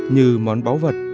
như món báu vật